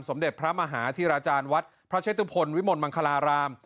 สมเด็จพระมหาธิราจารย์วัดพระเชตุพลวิมลมังคลาราม